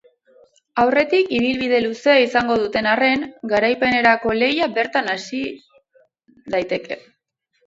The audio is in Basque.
Aurretik ibilbide luzea izango duten arren, garaipenerako lehia bertan hasi daiteke.